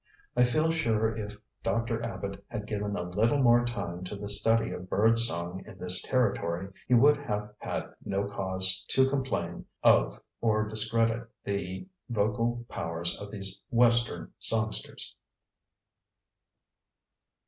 I feel sure if Dr. Abbott had given a little more time to the study of bird song in this territory he would have had no cause to complain of or discredit the vocal powers of these western songsters.